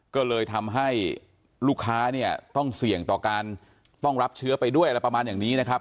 ก็เลยทำให้ลูกค้าเนี่ยต้องเสี่ยงต่อการต้องรับเชื้อไปด้วยอะไรประมาณอย่างนี้นะครับ